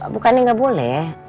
bukannya gak boleh